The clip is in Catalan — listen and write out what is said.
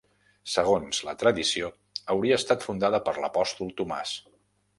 Segons la tradició, hauria estat fundada per l'apòstol Tomàs.